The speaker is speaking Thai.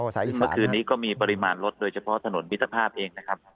เมื่อคืนนี้ก็มีปริมาณรถโดยเฉพาะถนนมิตรภาพเองนะครับ